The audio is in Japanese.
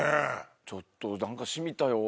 ちょっと何か染みたよ。